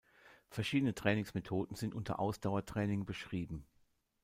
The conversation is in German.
Verschiedene Trainingsmethoden sind unter Ausdauertraining beschrieben.